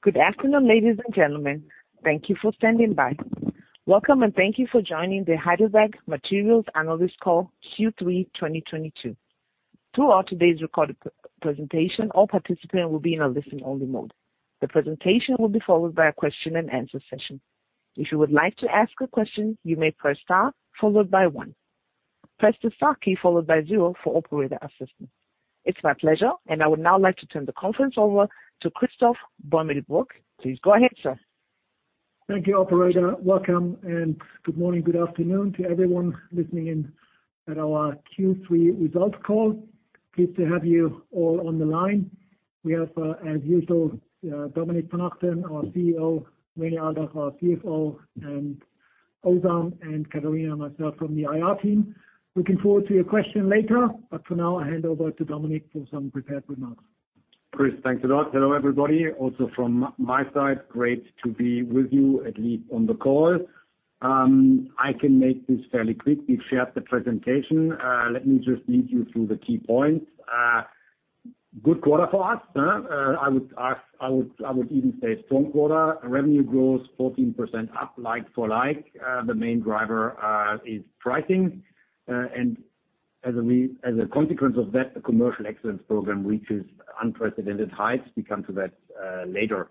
Good afternoon, ladies and gentlemen. Thank you for standing by. Welcome, and thank you for joining the Heidelberg Materials Analyst Call Q3 2022. Throughout today's recorded presentation, all participants will be in a listen-only mode. The presentation will be followed by a question-and-answer session. If you would like to ask a question, you may press star followed by one. Press the star key followed by zero for operator assistance. It's my pleasure, and I would now like to turn the conference over to Christoph Beumelburg. Please go ahead, sir. Thank you, operator. Welcome, and good morning, good afternoon to everyone listening in at our Q3 results call. Pleased to have you all on the line. We have, as usual, Dominik von Achten, our CEO, René Aldach, our CFO, and Ozan and Katarina and myself from the IR team. Looking forward to your question later, but for now, I hand over to Dominik for some prepared remarks. Chris, thanks a lot. Hello, everybody, also from my side, great to be with you, at least on the call. I can make this fairly quick. We've shared the presentation. Let me just lead you through the key points. Good quarter for us, huh. I would even say strong quarter. Revenue grows 14% like-for-like. The main driver is pricing. As a consequence of that, the commercial excellence program reaches unprecedented heights. We come to that later.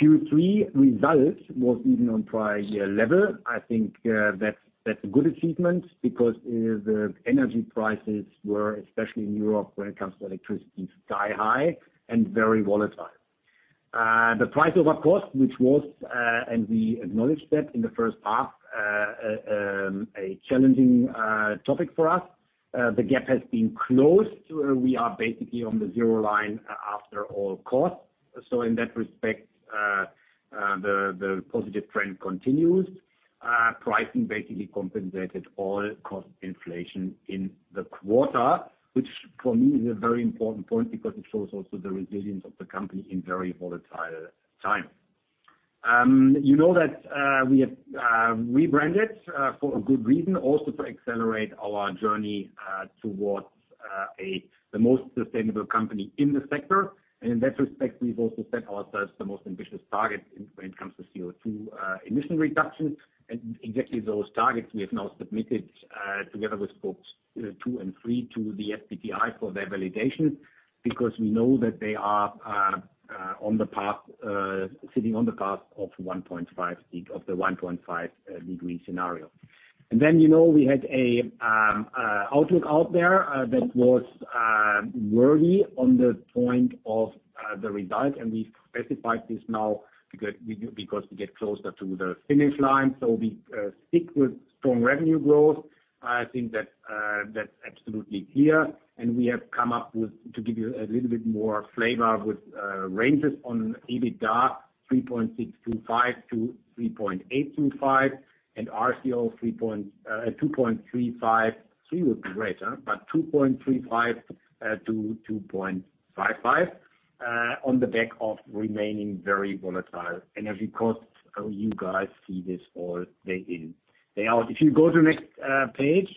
Q3 results was even on prior year level. I think that's a good achievement because the energy prices were, especially in Europe when it comes to electricity, sky-high and very volatile. The pricing and our costs, which was and we acknowledged that in the first half, a challenging topic for us. The gap has been closed. We are basically on the zero line after all costs. In that respect, the positive trend continues. Pricing basically compensated all cost inflation in the quarter, which for me is a very important point because it shows also the resilience of the company in very volatile times. You know that we have rebranded for a good reason, also to accelerate our journey towards the most sustainable company in the sector. In that respect, we've also set ourselves the most ambitious target when it comes to CO₂ emission reduction. Exactly those targets we have now submitted together with Scope two and three to the SBTi for their validation, because we know that they are on the path of 1.5-degree scenario. You know, we had an outlook out there that was worded on the point of the result, and we specified this now because we get closer to the finish line, so we stick with strong revenue growth. I think that's absolutely clear. We have come up with, to give you a little bit more flavor with ranges on EBITDA, 3.625-3.825, and RCO 2.35%. 3% would be great, huh? 2.35%-2.55% on the back of remaining very volatile. As you know, you guys see this all day in, day out. If you go to the next page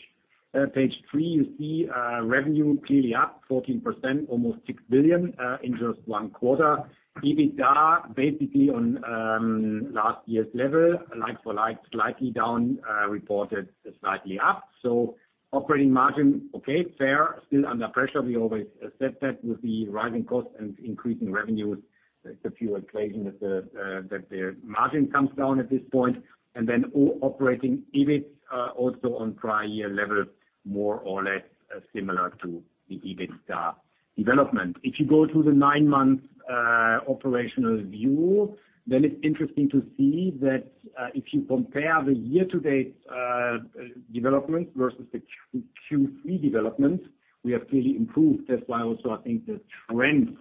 three, you see revenue clearly up 14%, almost 6 billion in just one quarter. EBITDA basically on last year's level, like for like, slightly down, reported slightly up. Operating margin, okay, fair, still under pressure. We always accept that with the rising costs and increasing revenues, the fuel inflation that the margin comes down at this point. Operating EBIT also on prior year level, more or less similar to the EBITDA development. If you go to the nine month operational view, then it's interesting to see that if you compare the year-to-date development versus the Q3 development, we have clearly improved. That's why also I think the trend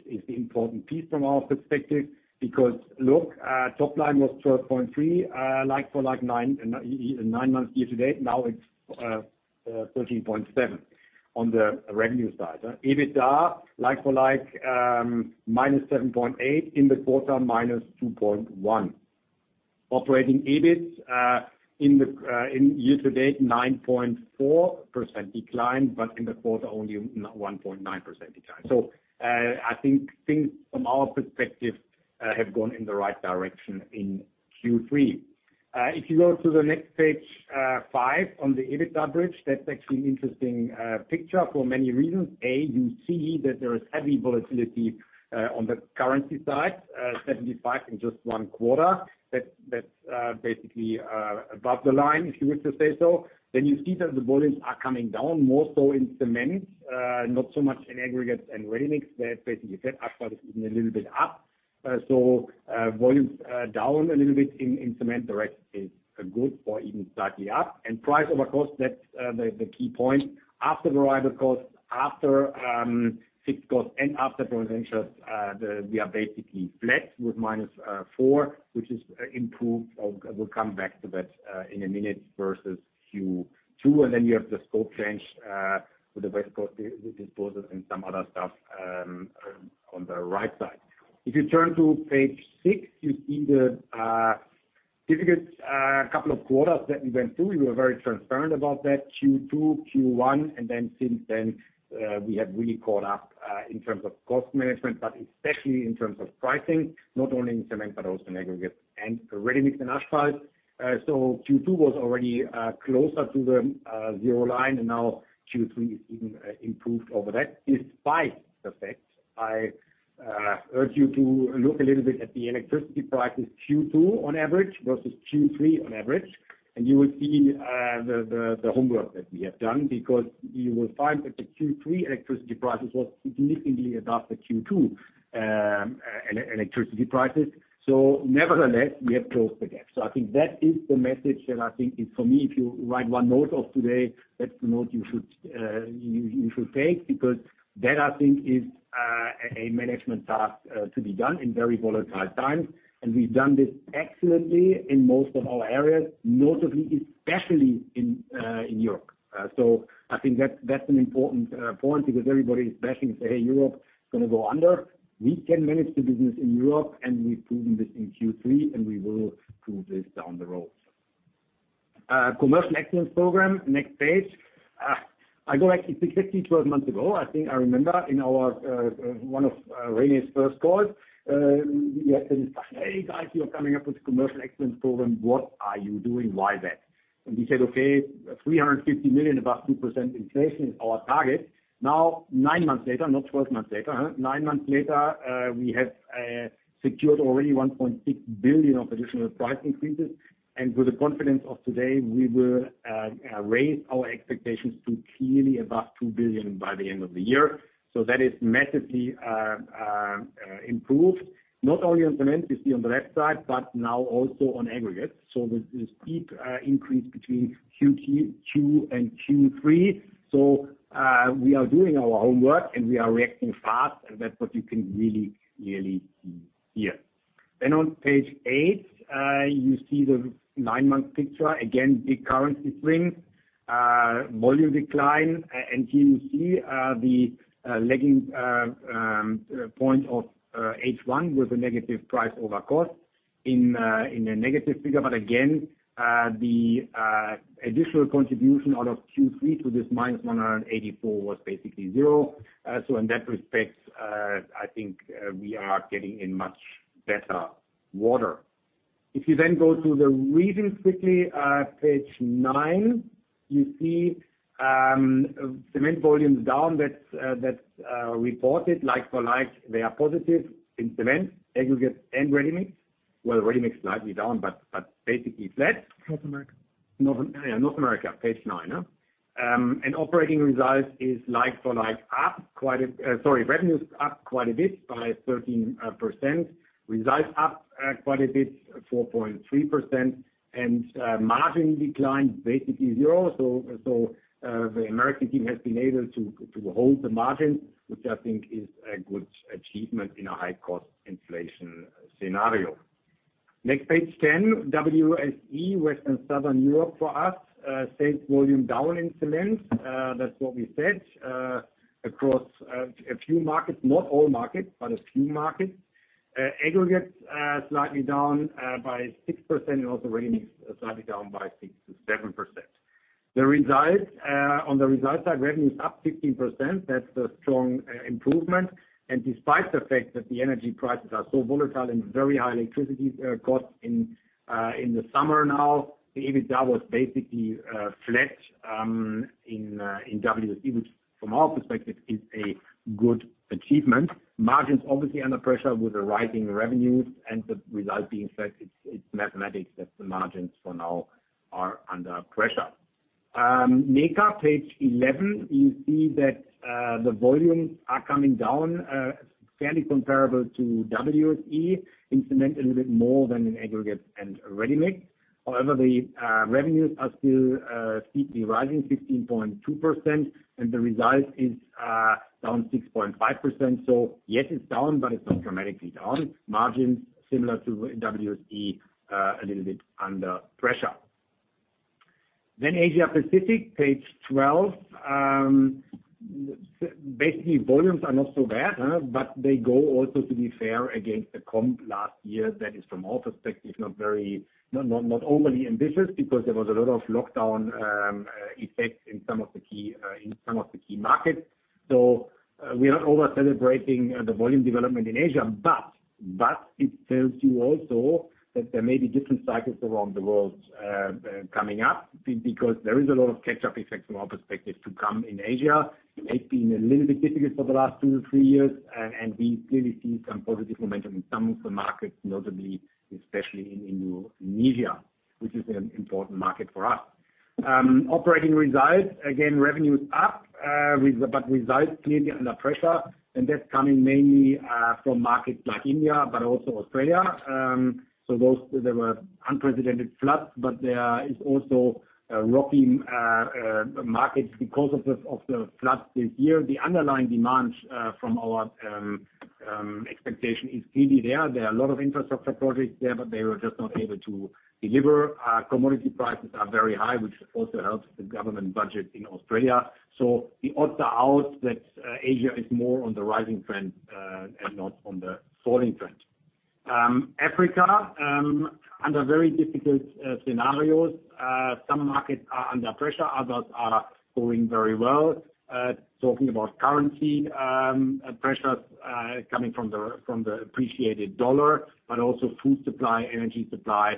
is the important piece from our perspective because look, top line was 12.3% like for like nine months year-to-date. Now it's 13.7% on the revenue side. EBITDA, like for like, -7.8% in the quarter, -2.1%. Operating EBIT in the year-to-date, 9.4% decline, but in the quarter only 1.9% decline. I think things from our perspective have gone in the right direction in Q3. If you go to the next page, five on the EBIT leverage, that's actually an interesting picture for many reasons. A, you see that there is heavy volatility on the currency side, 75 in just one quarter. That's basically above the line, if you wish to say so. You see that the volumes are coming down more so in cement, not so much in aggregates and ready-mix. They're basically flat. Actually, this is a little bit up. Volumes down a little bit in cement. The rest is good or even slightly up. Price over cost, that's the key point. After variable costs, after fixed costs and after financial, we are basically flat with -4, which is improved. We'll come back to that, in a minute versus Q2. You have the scope change, for the waste cost disposal and some other stuff, on the right side. If you turn to page six, you see the difficult couple of quarters that we went through. We were very transparent about that Q2, Q1, and then since then, we have really caught up, in terms of cost management, but especially in terms of pricing, not only in cement but also in aggregate and ready mix and asphalt. Q2 was already closer to the zero line, and now Q3 is even improved over that despite the fact I urge you to look a little bit at the electricity prices Q2 on average versus Q3 on average, and you will see the homework that we have done, because you will find that the Q3 electricity prices was significantly above the Q2 electricity prices. Nevertheless, we have closed the gap. I think that is the message that I think is for me, if you write one note of today, that's the note you should take, because that I think is a management task to be done in very volatile times. We've done this excellently in most of our areas, notably especially in Europe. I think that's an important point because everybody is bashing and saying Europe is gonna go under. We can manage the business in Europe, and we've proven this in Q3, and we will prove this down the road. Commercial excellence program, next page. I go back specifically 12 months ago. I think I remember in our one of René's first calls, we had said, "Hey guys, you are coming up with a commercial excellence program. What are you doing? Why that?" We said, "Okay, 350 million, above 2% inflation is our target." Now, nine months later, not 12 months later, we have secured already 1.6 billion of additional price increases. With the confidence of today, we will raise our expectations to clearly above 2 billion by the end of the year. That is massively improved, not only on cement, you see on the left side, but now also on aggregate. There's this steep increase between Q2 and Q3. We are doing our homework, and we are reacting fast, and that's what you can really, really see here. On page eight, you see the nine-month picture. Again, big currency swings, volume decline. Here you see the lagging point of H1 with a negative price over cost in a negative figure. Again, the additional contribution out of Q3 to this -184 was basically zero. In that respect, I think we are getting in much better shape. If you then go to the regions quickly, page nine, you see, cement volumes down. That's reported like for like, they are positive in cement, aggregate and ready-mix. Well, ready-mix slightly down, but basically flat. North America. North America, page nine, huh. Operating results is like for like up quite a bit. Revenues up quite a bit by 13%. Results up quite a bit, 4.3%. Margin declined basically 0%. The American team has been able to hold the margin, which I think is a good achievement in a high-cost inflation scenario. Next, page 10, WSE, West and Southern Europe for us. Sales volume down in cement. That's what we said across a few markets, not all markets, but a few markets. Aggregates slightly down by 6% and also ready-mix slightly down by 6%-7%. On the results side, revenue is up 15%. That's a strong improvement. Despite the fact that the energy prices are so volatile and very high electricity costs in the summer now, the EBITDA was basically flat in WSE, which from our perspective is a good achievement. Margins obviously under pressure with the rising revenues and the result being flat, it's mathematics that the margins for now are under pressure. NECA, page 11, you see that the volumes are coming down fairly comparable to WSE in cement, a little bit more than in aggregate and ready-mix. However, the revenues are still steeply rising 15.2%, and the result is down 6.5%. Yes, it's down, but it's not dramatically down. Margins similar to WSE, a little bit under pressure. Asia Pacific, page 12. Basically volumes are not so bad, huh, but they go also to be fair against the comps last year. That is from our perspective not overly ambitious because there was a lot of lockdown effects in some of the key markets. We are not over celebrating the volume development in Asia, but it tells you also that there may be different cycles around the world coming up because there is a lot of catch-up effects from our perspective to come in Asia. It may have been a little bit difficult for the last two-three years, and we clearly see some positive momentum in some of the markets, notably especially in Indonesia, which is an important market for us. Operating results, again, revenues up, but results clearly under pressure, and that's coming mainly from markets like India, but also Australia. Those there were unprecedented floods, but there is also a rocky markets because of the floods this year. The underlying demand from our expectation is clearly there. There are a lot of infrastructure projects there, but they were just not able to deliver. Commodity prices are very high, which also helps the government budget in Australia. The odds are out that Asia is more on the rising trend and not on the falling trend. Africa under very difficult scenarios, some markets are under pressure, others are going very well. Talking about currency pressures coming from the appreciated dollar, but also food supply, energy supply.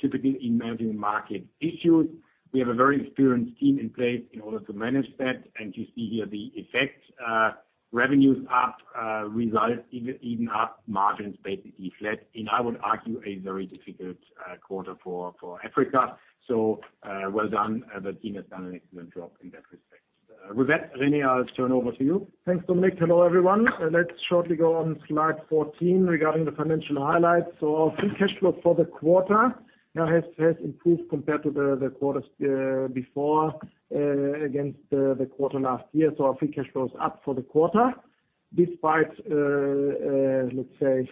Typically, emerging market issues. We have a very experienced team in place in order to manage that. You see here the effect, revenues up, result even up margins basically flat, and I would argue a very difficult quarter for Africa. Well done. The team has done an excellent job in that respect. With that, René, I'll turn over to you. Thanks, Dominik von Achten. Hello everyone. Let's shortly go on slide 14 regarding the financial highlights. Free cash flow for the quarter now has improved compared to the quarters before against the quarter last year. Our free cash flow is up for the quarter despite let's say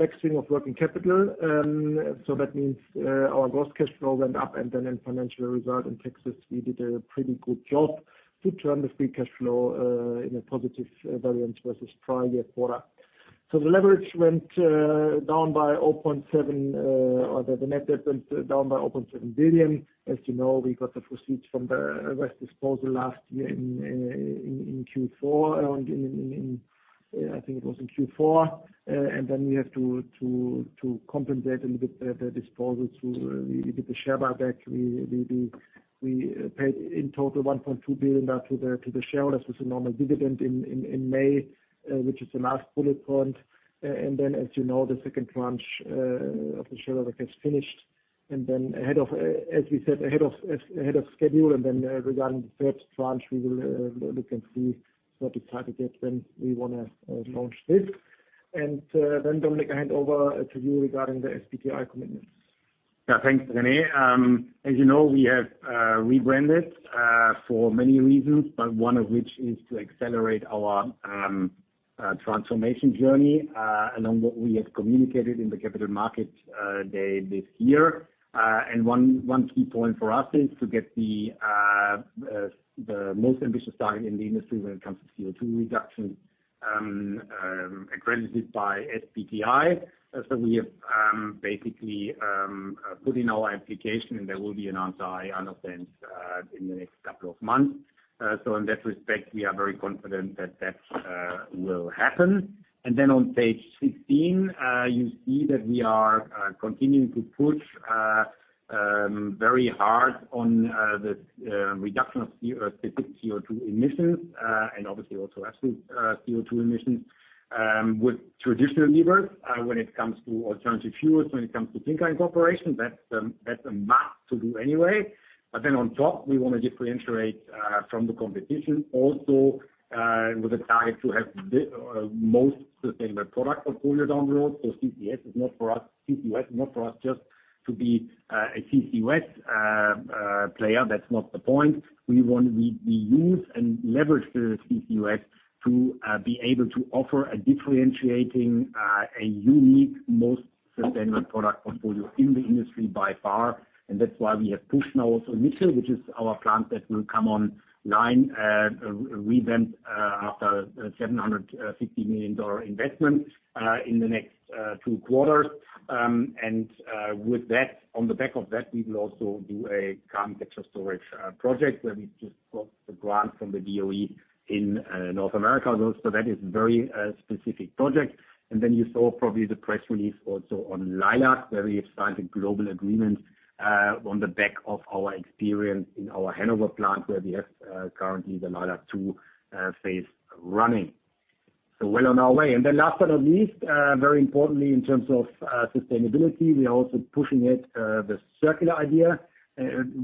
outflow of working capital. That means our gross cash flow went up, and then in financial result and taxes, we did a pretty good job to turn the free cash flow into a positive variance versus prior year quarter. The leverage went down by 0.7, or the net debt went down by 0.7 billion. As you know, we got the proceeds from the U.S. West disposal last year in Q4. I think it was in Q4. and then we have to compensate a little bit the disposal too with the share buyback. We paid in total 1.2 billion back to the shareholders with a normal dividend in May, which is the last bullet point. as you know, the second tranche of the share buyback is finished ahead of schedule, and then regarding the third tranche, we will look and see what is hard to get when we wanna launch this. Dominik, I hand over to you regarding the SBTi commitments. Yeah, thanks, René. As you know, we have rebranded for many reasons, but one of which is to accelerate our transformation journey along what we have communicated in the Capital Markets Day this year. One key point for us is to get the most ambitious target in the industry when it comes to CO₂ reduction accredited by SBTi. We have basically put in our application, and there will be an answer, I understand, in the next couple of months. In that respect, we are very confident that will happen. On page 16, you see that we are continuing to push very hard on the reduction of specific CO₂ emissions, and obviously also absolute CO₂ emissions, with traditional levers, when it comes to alternative fuels, when it comes to clinker cooperation, that's a must to do anyway. We wanna differentiate from the competition also, with a target to have the most sustainable product portfolio down the road. CCS is not for us, CCUS, not for us just to be a CCUS player. That's not the point. We use and leverage the CCUS to be able to offer a differentiating, a unique, most sustainable product portfolio in the industry by far. That's why we have pushed now also Mitchell, which is our plant that will come online, revamped, after a $750 million investment, in the next two quarters. With that, on the back of that, we will also do a carbon capture and storage project where we just got the grant from the DOE in North America. That is a very specific project. You saw probably the press release also on Leilac, where we have signed a global agreement, on the back of our experience in our Hanover plant, where we have currently the Leilac-2 phase running. We're on our way. Last but not least, very importantly in terms of sustainability, we are also pushing the circular idea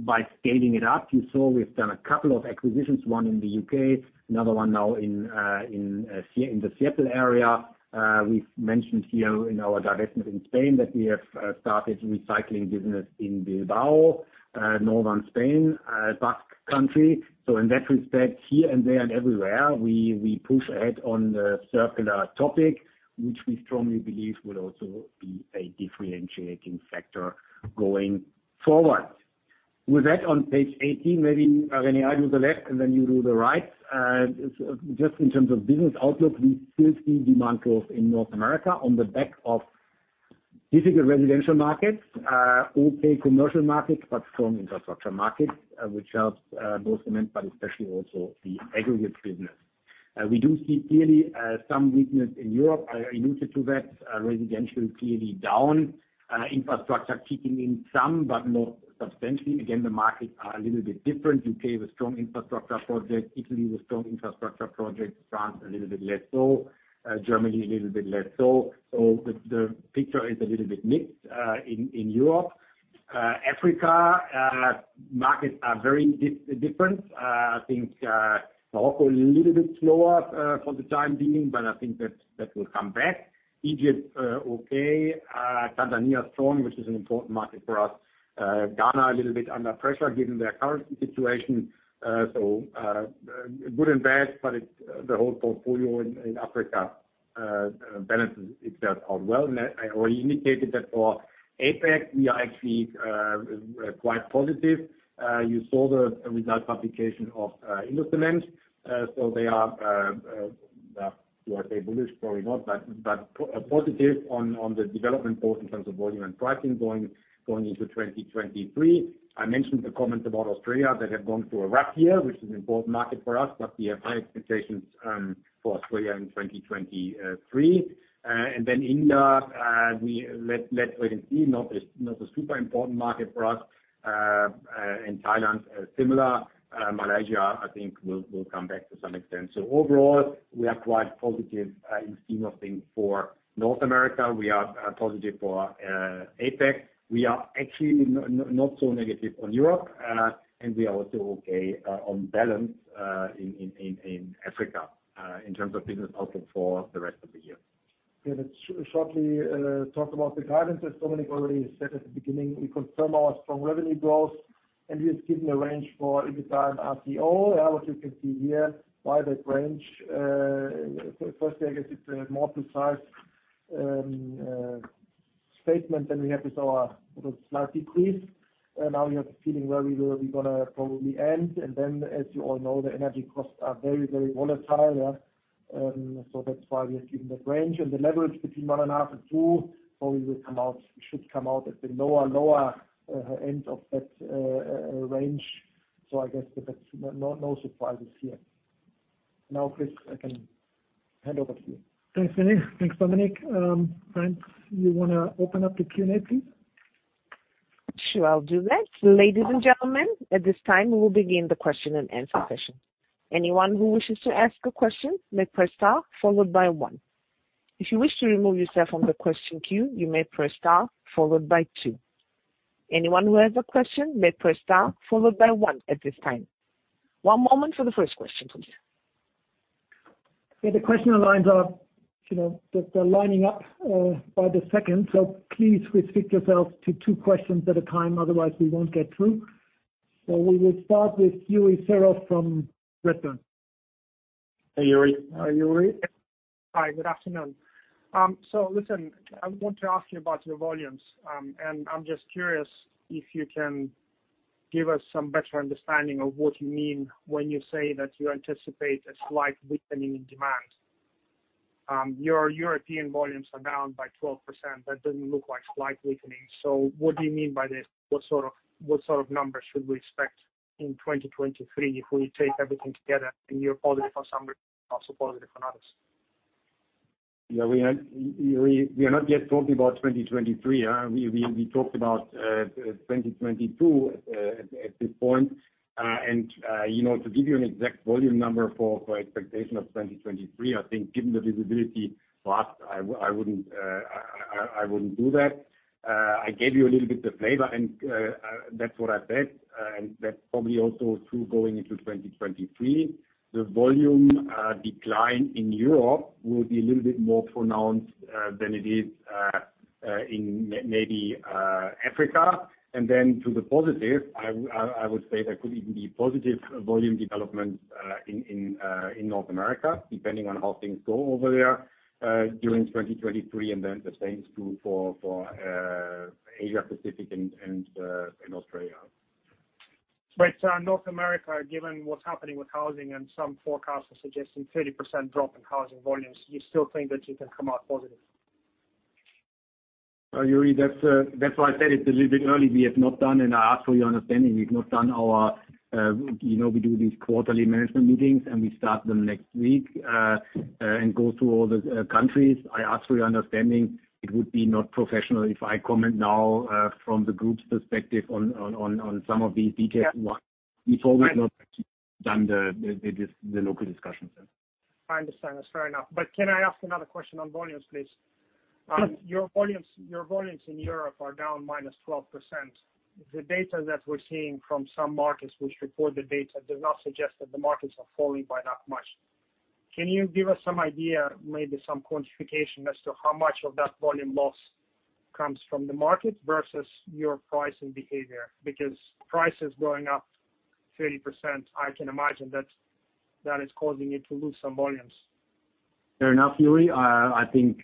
by scaling it up. You saw we've done a couple of acquisitions, one in the UK, another one now in the Seattle area. We've mentioned here in our divestment in Spain that we have started recycling business in Bilbao, Northern Spain, Basque Country. In that respect, here and there and everywhere, we push ahead on the circular topic, which we strongly believe will also be a differentiating factor going forward. With that, on page 18, maybe, René, I do the left, and then you do the right. Just in terms of business outlook, we still see demand growth in North America on the back of difficult residential markets, okay commercial markets, but strong infrastructure markets, which helps both cement, but especially also the aggregate business. We do see clearly some weakness in Europe. I alluded to that, residential clearly down, infrastructure kicking in some, but not substantially. Again, the markets are a little bit different. UK with strong infrastructure projects, Italy with strong infrastructure projects, France a little bit less so, Germany a little bit less so. So the picture is a little bit mixed, in Europe. Africa, markets are very different. I think, Morocco a little bit slower, for the time being, but I think that will come back. Egypt, okay. Tanzania strong, which is an important market for us. Ghana a little bit under pressure given their currency situation. So, good and bad, but it's the whole portfolio in Africa balances itself out well. I already indicated that for APAC, we are actually, quite positive. You saw the results publication of Indocement. They are, do I say bullish? Probably not, but positive on the development both in terms of volume and pricing going into 2023. I mentioned the comments about Australia that have gone through a rough year, which is an important market for us, but we have high expectations for Australia in 2023. Then India, we'll wait and see. Not a super important market for us. Thailand, similar. Malaysia, I think will come back to some extent. Overall, we are quite positive in the scheme of things for North America. We are positive for APAC. We are actually not so negative on Europe, and we are also okay, on balance, in Africa, in terms of business outlook for the rest of the year. Yeah. Let's shortly talk about the guidance. Dominik already said at the beginning, we confirm our strong revenue growth, and we have given a range for EBITDA and RCO. As you can see here, wide range. Firstly, I guess it's a more precise statement than we had with our little slight decrease. Now we have a feeling where we gonna probably end. Then as you all know, the energy costs are very volatile. That's why we have given that range. The leverage between 1.5 and two probably will come out should come out at the lower end of that range. I guess that's no surprises here. Now, Chris, I can hand over to you. Thanks, René Aldach. Thanks, Dominik von Achten. Frank, you wanna open up the Q&A, please? Sure, I'll do that. Ladies and gentlemen, at this time, we will begin the question and answer session. Anyone who wishes to ask a question may press star followed by one. If you wish to remove yourself from the question queue, you may press star followed by two. Anyone who has a question may press star followed by one at this time. One moment for the first question, please. Okay. The questions in line are, you know, they're lining up by the second, so please restrict yourselves to two questions at a time, otherwise we won't get through. We will start with Yuri Serov from Redburn. Hey, Yuri. Hi, Yuri. Hi, good afternoon. Listen, I want to ask you about your volumes. I'm just curious if you can give us some better understanding of what you mean when you say that you anticipate a slight weakening in demand. Your European volumes are down by 12%. That doesn't look like slight weakening. What do you mean by this? What sort of numbers should we expect in 2023 if we take everything together and you're positive for some reason, also positive for others? Yeah. We are, Yuri, not yet talking about 2023. We talked about 2022 at this point. You know, to give you an exact volume number for expectation of 2023, I think given the visibility last, I wouldn't do that. I gave you a little bit the flavor and that's what I said. That's probably also true going into 2023. The volume decline in Europe will be a little bit more pronounced than it is in maybe Africa. To the positive, I would say there could even be positive volume development in North America, depending on how things go over there during 2023, and then the same is true for Asia Pacific and Australia. North America, given what's happening with housing and some forecasts are suggesting 30% drop in housing volumes, you still think that you can come out positive? Yuri Serov, that's why I said it's a little bit early. We have not done, and I ask for your understanding, we've not done our, you know, we do these quarterly management meetings, and we start them next week, and go through all the countries. I ask for your understanding. It would be not professional if I comment now from the group's perspective on some of these details. Yeah. We've always not done the local discussions then. I understand. That's fair enough. Can I ask another question on volumes, please? Sure. Your volumes in Europe are down -12%. The data that we're seeing from some markets which report the data does not suggest that the markets are falling by that much. Can you give us some idea, maybe some quantification as to how much of that volume loss comes from the market versus your pricing behavior? Because price is going up 30%, I can imagine that that is causing you to lose some volumes. Fair enough, Yuri. I think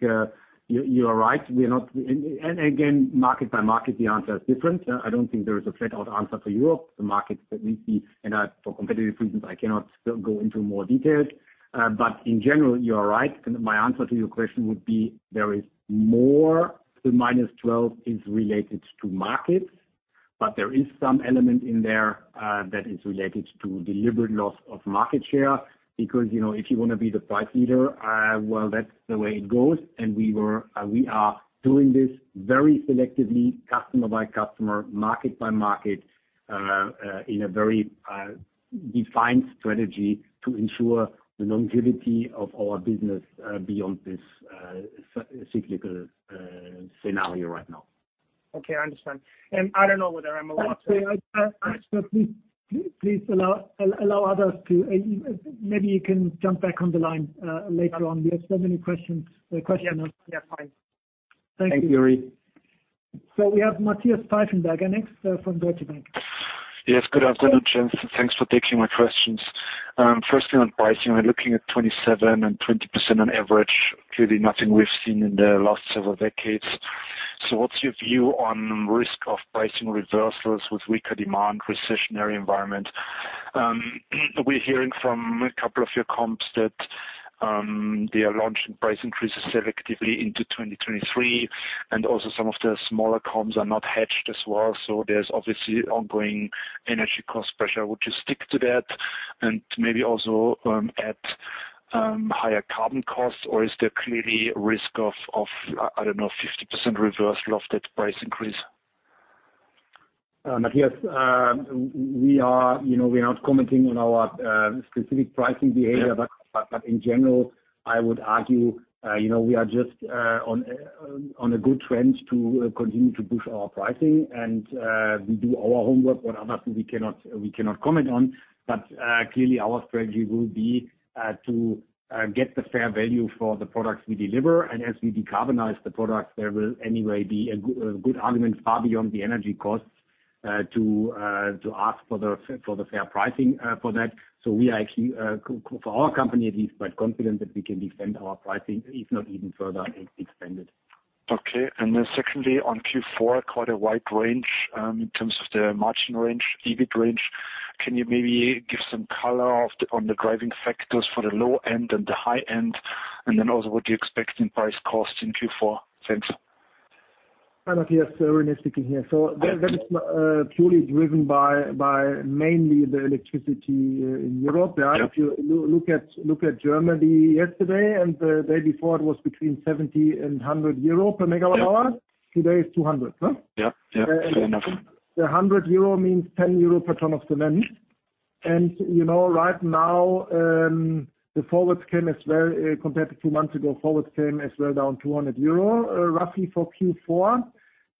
you are right. Again, market by market, the answer is different. I don't think there is a flat-out answer for Europe. The markets that we see and are for competitive reasons, I cannot go into more details. In general, you are right. My answer to your question would be there is more; the -12% is related to markets, but there is some element in there that is related to deliberate loss of market share. You know, if you wanna be the price leader, well, that's the way it goes. We are doing this very selectively customer by customer, market by market, in a very defined strategy to ensure the longevity of our business beyond this cyclical scenario right now. Okay, I understand. I don't know whether I'm allowed to. Sorry. Sir, please allow others to. Maybe you can jump back on the line later on. We have so many questions, questioners. Yeah. Yeah. Fine. Thank you. Thank you, Yuri. We have Matthias Pfeifenberger next, from Deutsche Bank. Yes, good afternoon, gents, and thanks for taking my questions. First thing on pricing, we're looking at 27% and 20% on average. Clearly nothing we've seen in the last several decades. What's your view on risk of pricing reversals with weaker demand, recessionary environment? We're hearing from a couple of your comps that they are launching price increases selectively into 2023, and also some of the smaller comps are not hedged as well, so there's obviously ongoing energy cost pressure. Would you stick to that? Maybe also at higher carbon costs, or is there clearly risk of, I don't know, 50% reversal of that price increase? Matthias, we are, you know, we are not commenting on our specific pricing behavior. Yeah. In general, I would argue, you know, we are just on a good trend to continue to push our pricing and we do our homework, but obviously we cannot comment on. Clearly our strategy will be to get the fair value for the products we deliver, and as we decarbonize the products, there will anyway be a good argument far beyond the energy costs to ask for the fair pricing for that. We are actually for our company at least, quite confident that we can defend our pricing, if not even further expanded. Okay. Secondly, on Q4, quite a wide range in terms of the margin range, EBIT range. Can you maybe give some color on the driving factors for the low end and the high end? Also, what you expect in price costs in Q4. Thanks. Hi Matthias, René speaking here. That is purely driven by mainly the electricity in Europe. Yeah. If you look at Germany yesterday and the day before, it was between 70 and 100 euro per MWh. Yeah. Today it's 200, huh? Yeah. Yeah. Fair enough. 100 euro means 10 euro per ton of cement. You know, right now, the forward has come in very low compared to two months ago. The forward has come down as well by 200 euro, roughly for Q4.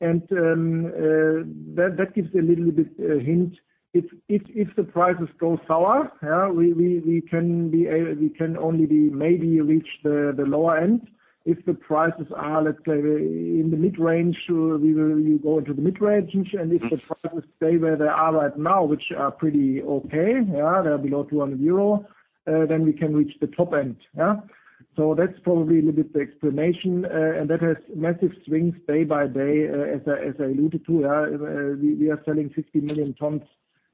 That gives a little bit of a hint. If the prices go sour, yeah, we can only maybe reach the lower end. If the prices are, let's say, in the mid-range, we will go into the mid-range. Mm-hmm. If the prices stay where they are right now, which are pretty okay, they're below 200 euro, then we can reach the top end. So that's probably a little bit the explanation, and that has massive swings day by day, as I alluded to. We are selling 60 million tons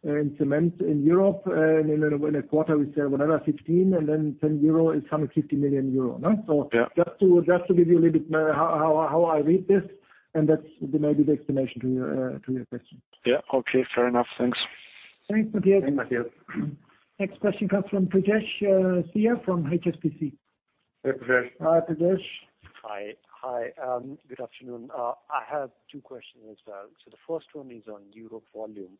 in cement in Europe, and in a quarter we sell whatever, 15, and then 10 euro is some 50 million euro, no? Yeah. Just to give you a little bit how I read this, and that's maybe the explanation to your question. Yeah. Okay. Fair enough. Thanks. Thanks, Matthias. Thanks, Matthias. Next question comes from Brijesh Siya from HSBC. Hi, Brijesh. Hi, Brijesh. Hi. Good afternoon. I have two questions as well. The first one is on Europe volume.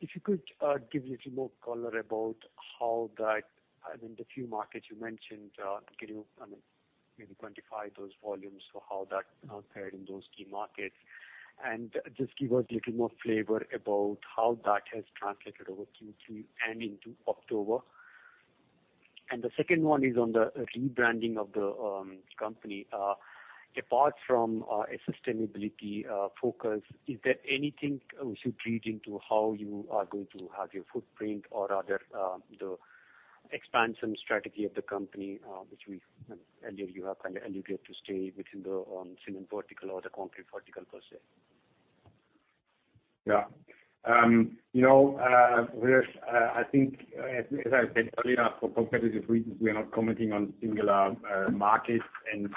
If you could give a little more color about I mean, the few markets you mentioned, can you, I mean, maybe quantify those volumes for how that fared in those key markets? Just give us a little more flavor about how that has translated over Q3 and into October. The second one is on the rebranding of the company. Apart from a sustainability focus, is there anything which you read into how you are going to have your footprint or rather, the expansion strategy of the company. Earlier you have kind of alluded to stay within the cement vertical or the concrete vertical per se. Yeah. You know, Brijesh, I think as I said earlier, for competitive reasons, we are not commenting on single markets and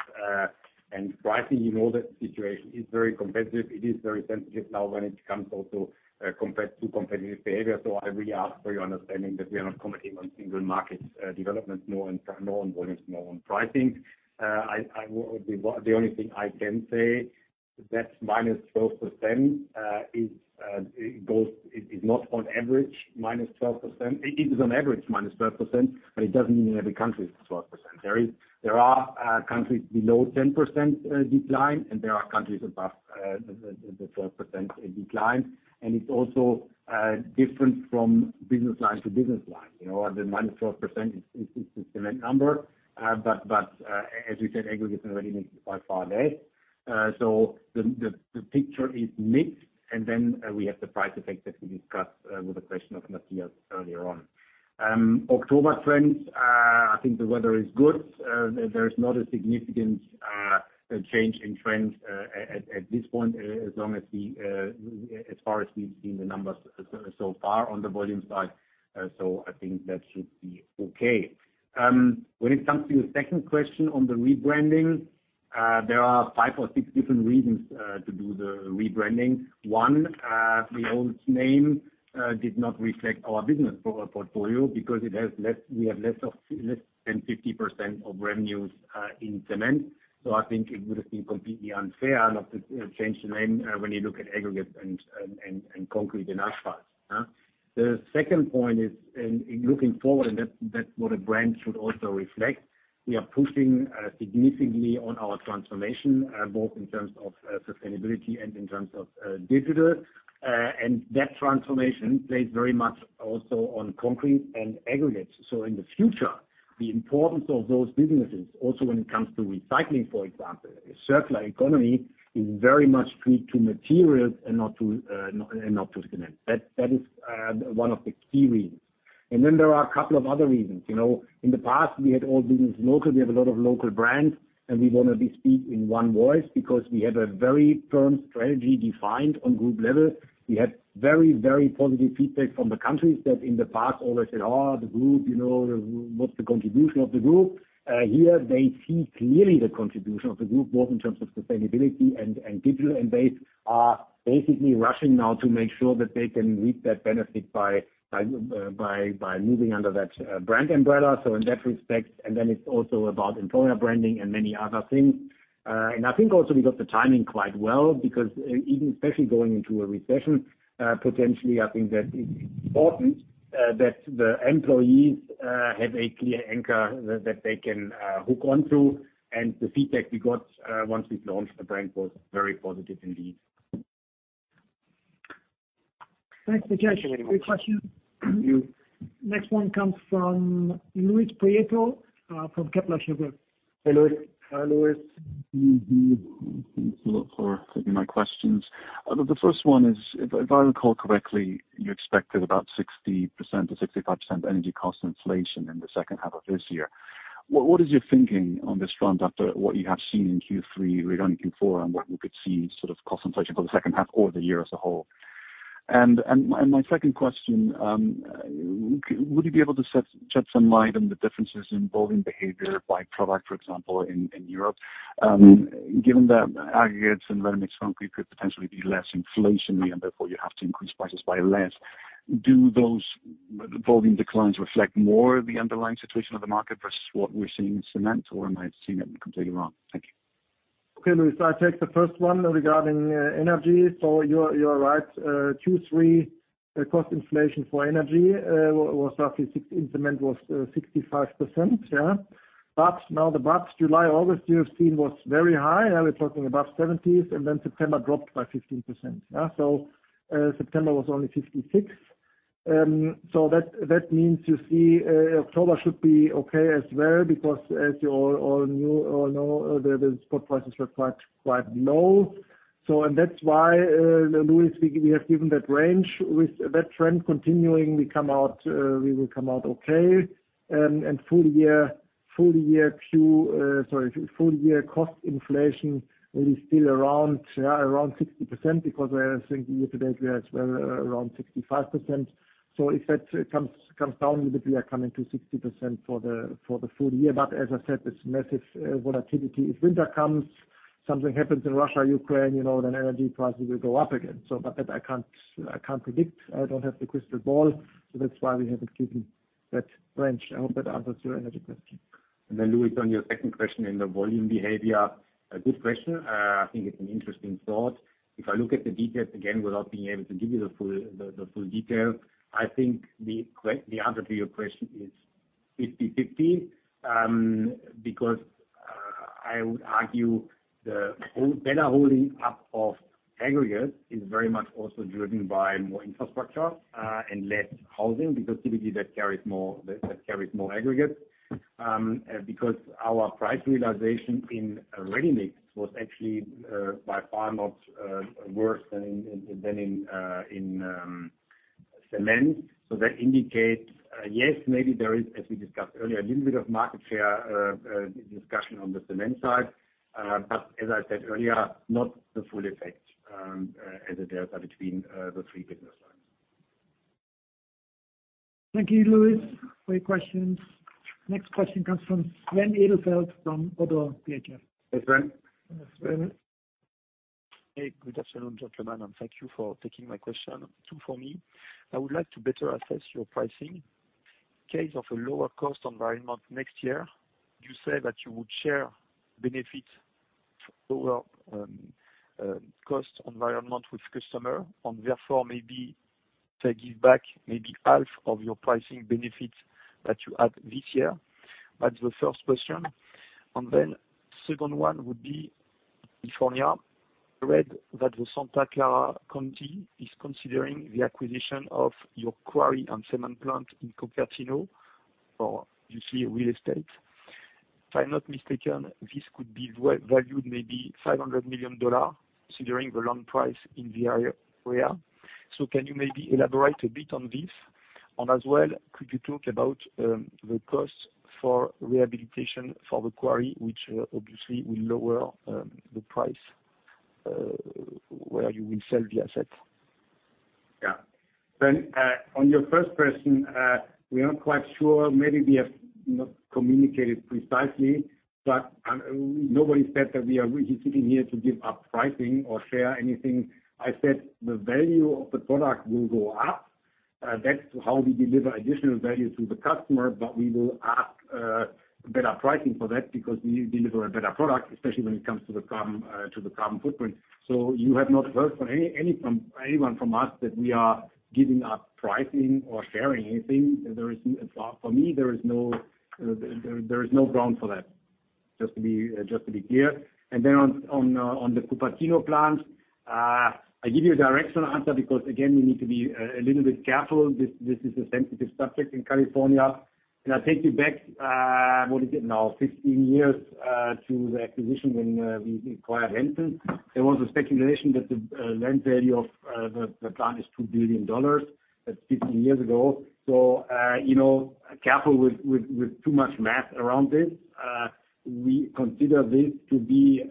pricing. You know the situation is very competitive. It is very sensitive now when it comes also compared to competitive behavior. I really ask for your understanding that we are not commenting on single markets developments, nor on volumes, nor on pricing. The only thing I can say is that minus 12% is not on average minus 12%. It is on average minus 12%, but it doesn't mean in every country it's 12%. There are countries below 10% decline, and there are countries above the 12% decline. It's also different from business line to business line. You know, the -12% is the cement number. But as we said, aggregates and ready-mix is by far less. So the picture is mixed, and then we have the price effect that we discussed with the question of Matthias earlier on. October trends, I think the weather is good. There is not a significant change in trend at this point, as far as we've seen the numbers so far on the volume side. So I think that should be okay. When it comes to your second question on the rebranding, there are 5 or 6 different reasons to do the rebranding. One, the old name did not reflect our business portfolio because we have less than 50% of revenues in cement. I think it would have been completely unfair not to, you know, change the name when you look at aggregate and concrete and asphalt. The second point is in looking forward, and that's what a brand should also reflect. We are pushing significantly on our transformation both in terms of sustainability and in terms of digital. And that transformation plays very much also on concrete and aggregates. In the future, the importance of those businesses, also when it's coming to recycling, for example, circular economy is very much tied to materials and not to cement. That is one of the key reasons. Then there are a couple of other reasons. You know, in the past, we had all been local. We have a lot of local brands, and we wanna speak in one voice because we have a very firm strategy defined on group level. We had very positive feedback from the countries that in the past always said, "Oh, the group, you know, what's the contribution of the group?" Here they see clearly the contribution of the group, both in terms of sustainability and digital, and they are basically rushing now to make sure that they can reap that benefit by moving under that brand umbrella. In that respect, it's also about employer branding and many other things. I think also we got the timing quite well because even especially going into a recession, potentially I think that it's important, that the employees have a clear anchor that they can hook onto. The feedback we got once we've launched the brand was very positive indeed. Thanks, Brijesh. Thank you very much. Good question. Thank you. Next one comes from Luis Prieto from Kepler Cheuvreux. Hey, Luis. Hi, Luis. Thanks a lot for taking my questions. The first one is, if I recall correctly, you expected about 60%-65% energy cost inflation in the second half of this year. What is your thinking on this front after what you have seen in Q3 regarding Q4 and what we could see sort of cost inflation for the second half or the year as a whole? My second question, would you be able to shed some light on the differences in volume behavior by product, for example, in Europe? Given the aggregates and ready-mix concrete could potentially be less inflationary and therefore you have to increase prices by less. Do those volume declines reflect more the underlying situation of the market versus what we're seeing in cement or am I seeing it completely wrong? Thank you. Okay, Luis. I take the first one regarding energy. You're right. Q3 cost inflation for energy in cement was roughly 65%. July, August, you have seen was very high. Now we're talking about 70s, and then September dropped by 15%. September was only 56%. That means you see, October should be okay as well because as you all knew or know, the spot prices were quite low. That's why, Luis, we have given that range. With that trend continuing, we will come out okay. Full year. Sorry. Full year cost inflation will be still around 60% because we are seeing year to date we are around 65%. If that comes down a little bit, we are coming to 60% for the full year. But as I said, it's massive volatility. If winter comes, something happens in Russia, Ukraine, you know, then energy prices will go up again. But that I can't predict. I don't have the crystal ball. That's why we have given that range. I hope that answers your energy question. Then, Luis, on your second question in the volume behavior. A good question. I think it's an interesting thought. If I look at the details, again, without being able to give you the full detail, I think the answer to your question is 50/50. Because I would argue the better holding up of aggregate is very much also driven by more infrastructure and less housing, because typically that carries more aggregate. Because our price realization in ready-mix was actually by far not worse than in cement. So that indicates, yes, maybe there is, as we discussed earlier, a little bit of market share discussion on the cement side. But as I said earlier, not the full effect as a delta between the three business lines. Thank you, Luis. Great questions. Next question comes from Sven Edelfelt from Oddo BHF. Hey, Sven. Sven. Hey, good afternoon, gentlemen, and thank you for taking my question. Two for me. I would like to better assess your pricing. In case of a lower cost environment next year, you say that you would share benefit lower, cost environment with customer and therefore maybe take it back half of your pricing benefits that you had this year. That's the first question. Then second one would be California. I read that the Santa Clara County is considering the acquisition of your quarry and cement plant in Cupertino, or you see a real estate. If I'm not mistaken, this could be worth valued maybe $500 million considering the land price in the area. So can you maybe elaborate a bit on this? As well, could you talk about the costs for rehabilitation for the quarry, which obviously will lower the price where you will sell the asset? Yeah. Sven, on your first question, we are not quite sure. Maybe we have not communicated precisely, but nobody said that we are really sitting here to give up pricing or share anything. I said the value of the product will go up. That's how we deliver additional value to the customer, but we will ask better pricing for that because we deliver a better product, especially when it comes to the carbon footprint. You have not heard from anyone from us that we are giving up pricing or sharing anything. There is. For me, there is no ground for that, just to be clear. Then on the Cupertino plant, I give you a directional answer because again, we need to be a little bit careful. This is a sensitive subject in California. Can I take you back, what is it now, 15 years, to the acquisition when we acquired Hanson. There was a speculation that the land value of the plant is $2 billion. That's 15 years ago. You know, careful with too much math around this. We consider this to be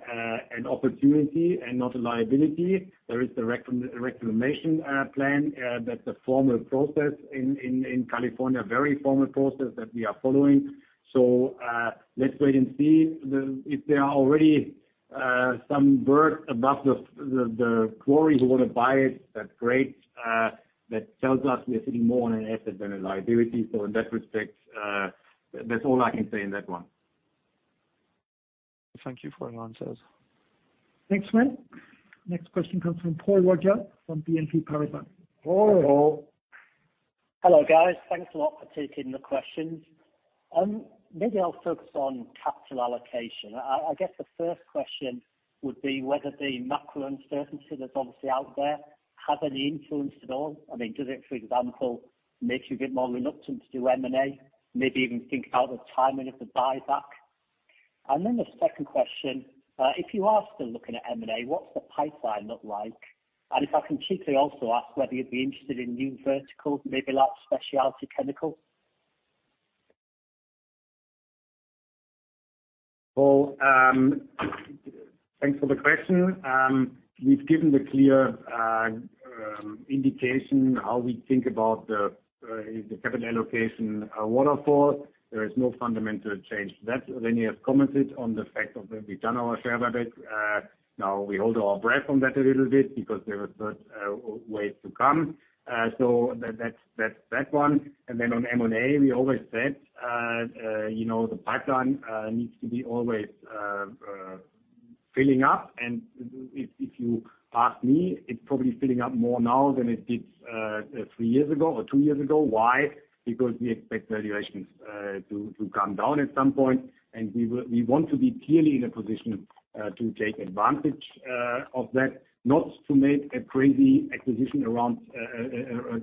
an opportunity and not a liability. There is the reclamation plan, the formal process in California, very formal process that we are following. Let's wait and see. If there are already some birds above the quarry who wanna buy it, that's great. That tells us we are sitting more on an asset than a liability. In that respect, that's all I can say in that one. Thank you for the answers. Thanks, Sven. Next question comes from Paul Roger from BNP Paribas. Paul. Hello. Hello, guys. Thanks a lot for taking the questions. Maybe I'll focus on capital allocation. I guess the first question would be whether the macro uncertainty that's obviously out there have any influence at all. I mean, does it, for example, make you a bit more reluctant to do M&A, maybe even think about the timing of the buyback? Then the second question, if you are still looking at M&A, what's the pipeline look like? If I can cheekily also ask whether you'd be interested in new verticals, maybe like specialty chemicals. Well, thanks for the question. We've given the clear indication how we think about the capital allocation waterfall. There is no fundamental change to that. René has commented on the fact that we've done our share buyback. Now we hold our breath on that a little bit because there are such ways to come. That's one. On M&A, we always said, you know, the pipeline needs to be always filling up. If you ask me, it's probably filling up more now than it did three years ago or two years ago. Why? Because we expect valuations to come down at some point, and we want to be clearly in a position to take advantage of that. Not to make a crazy acquisition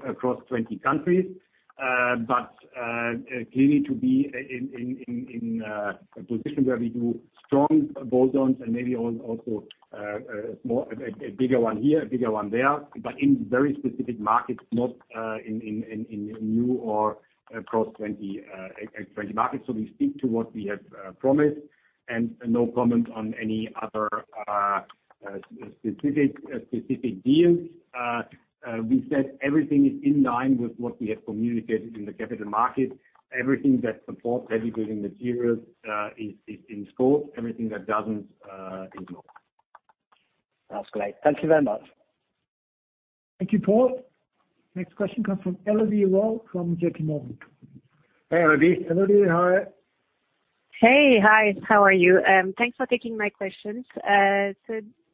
across 20 countries, but clearly to be in a position where we do strong bolt-ons and maybe also a bigger one here, a bigger one there, but in very specific markets, not in new or across 20 markets. We stick to what we have promised and no comment on any other specific deals. We said everything is in line with what we have communicated in the capital markets. Everything that supports heavy building materials is in scope. Everything that doesn't is not. That's great. Thank you very much. Thank you, Paul. Next question comes from Elodie Rall from J.P. Morgan. Hey, Elodie. Elodie, hi. Hey. Hi. How are you? Thanks for taking my questions.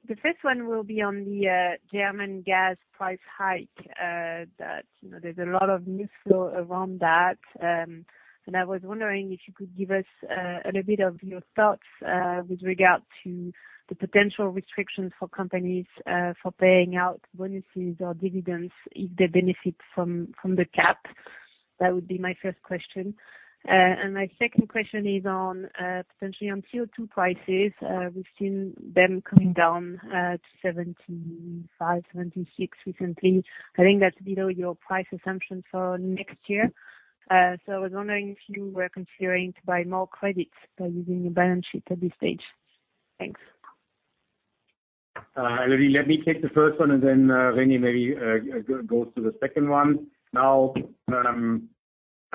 The first one will be on the German gas price hike that you know there's a lot of news flow around that. I was wondering if you could give us a little bit of your thoughts with regard to the potential restrictions for companies for paying out bonuses or dividends if they benefit from the cap. That would be my first question. My second question is on potentially on CO₂ prices. We've seen them coming down 75-76 recently. I think that's below your price assumption for next year. I was wondering if you were considering to buy more credits by using your balance sheet at this stage. Thanks. Elodie, let me take the first one, and then René maybe goes to the second one. Now,